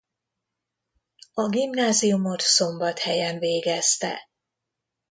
A gimnáziumot Szombathelyen végezte.